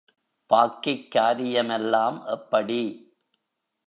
பாக்கிக் காரியமெல்லாம் எப்படி?